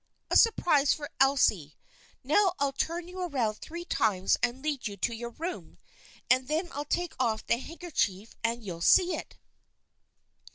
A surprise for Elsie. Now I'll turn you around three times and lead you to your room, and then I'll take off the handkerchief and you'll see it."